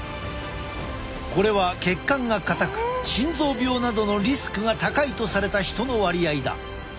これは血管が硬く心臓病などのリスクが高いとされた人の割合だ。